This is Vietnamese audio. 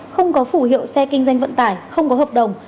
không có phủ hiệu xe kinh doanh vận tải không có hợp đồng